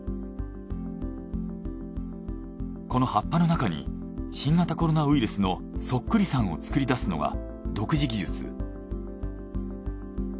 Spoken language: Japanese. この葉っぱの中に新型コロナウイルスのそっくりさんを作り出すのが独自技術。